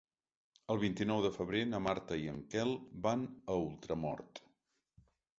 El vint-i-nou de febrer na Marta i en Quel van a Ultramort.